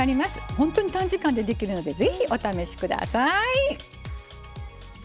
本当に短時間でできるのでぜひお試しください。